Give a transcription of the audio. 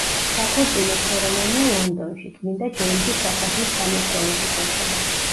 საქორწინო ცერემონია ლონდონში, წმინდა ჯეიმზის სასახლის სამლოცველოში შედგა.